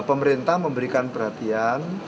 pemerintah memberikan perhatian